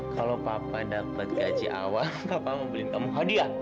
kalau papa dapat gaji awal bapak mau beli kamu hadiah